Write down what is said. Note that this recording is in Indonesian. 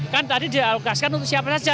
kan tadi dialokaskan untuk siapa saja